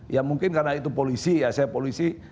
ya mungkin karena itu polisi ya saya polisi